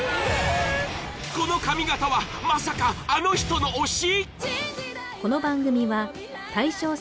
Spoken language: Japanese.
この髪形はまさかあの人の推し！？